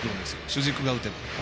主軸が打てば。